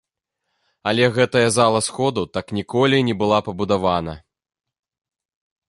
Але гэтая зала сходаў так ніколі і не была пабудавана.